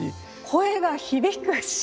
声が響くし。